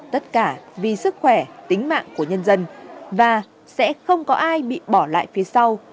tất cả vì sức khỏe tính mạng của nhân dân và sẽ không có ai bị bỏ lại phía sau